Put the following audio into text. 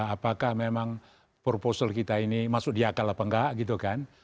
apakah memang proposal kita ini masuk di akal apa enggak gitu kan